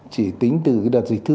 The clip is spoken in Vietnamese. chỉ tính từ đợt dịch thứ bốn